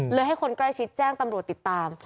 ให้คนใกล้ชิดแจ้งตำรวจติดตาม